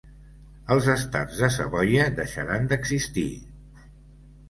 Els Estats de Savoia deixaren d'existir.